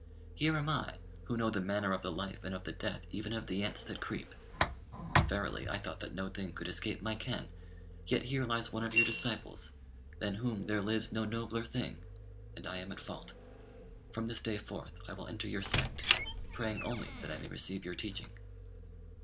Here am I, who know the manner of the life and of the death even of the ants that creep. Verily, I thought that no thing could escape my ken; yet here lies one of your disciples, than whom there lives no nobler thing, and I am at fault. From this day forth I will enter your sect, praying only that I may receive your teaching.'